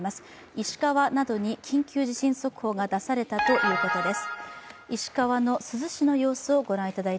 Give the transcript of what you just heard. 石川に緊急地震速報が出されたということです。